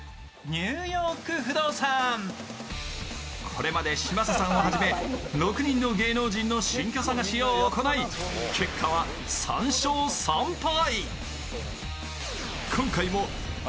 これまで、嶋佐さんをはじめ６人の芸能人の新居探しを行い結果は３勝３敗。